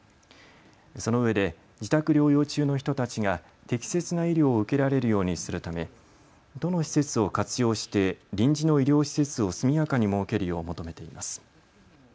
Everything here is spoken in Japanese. そのうえで自宅療養中の人たちが適切な医療を受けられるようにするため都の施設を活用して臨時の医療施設を速やかに設けるよう求めています。